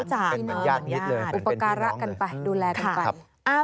เป็นเหมือนย่านนิดเลยเป็นพี่น้องเลย